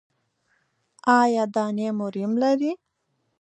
ایا دانې مو ریم لري؟